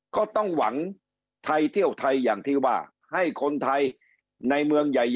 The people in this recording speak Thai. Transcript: ก็ต้องหวังไทยเที่ยวไทยอย่างที่ว่าให้คนไทยในเมืองใหญ่